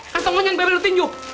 kasongan yang bebel lo tinju